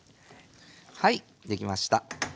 はい出来ました。